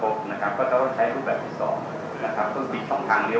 ก็คือต้องใช้รูปแบบที่๒